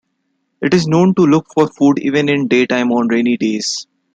It is known to look for food even in daytime on rainy days.